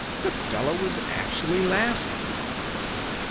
The fellow was actually laughing!